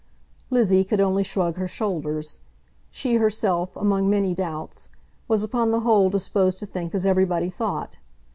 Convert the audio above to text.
Lizzie could only shrug her shoulders. She herself, among many doubts, was upon the whole disposed to think as everybody thought.